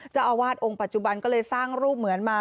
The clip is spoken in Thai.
เจ้าอาวาสองค์ปัจจุบันก็เลยสร้างรูปเหมือนมา